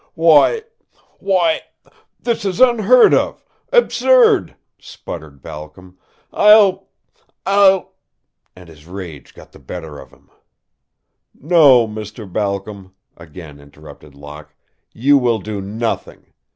"Why why this is unheard of absurd!" sputtered Balcom. "I'll I'll " And his rage got the better of him. "No, Mr. Balcom," again interrupted Locke, "you will do nothing.